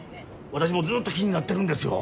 私もずっと気になってるんですよ。